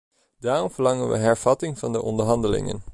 Daarom verlangen wij hervatting van de onderhandelingen.